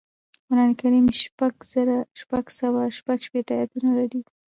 قرآن کریم شپږ زره شپږسوه شپږشپیتمه اياتونه لري